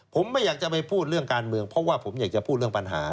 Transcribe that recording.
ผมไม่อยากจะไปพูดเรื่องการเมืองเพราะว่าผมอยากจะพูดเรื่องปัญหา